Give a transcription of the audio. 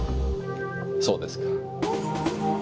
そうですか。